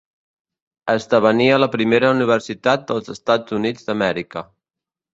Esdevenia la primera universitat dels Estats Units d'Amèrica.